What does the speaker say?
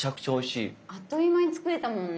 あっという間に作れたもんね。